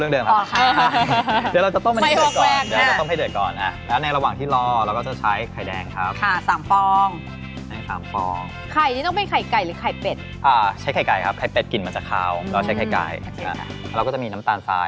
เราใช้ไข่ไกลนะครับแล้วก็จะมีน้ำตาลไซล์ครับน้ำตาลไซล์ต้องแค่ไหนคะ